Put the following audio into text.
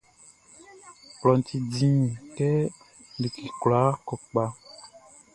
Klɔʼn ti dĩn kɛ like kwlaa kɔ kpaʼn.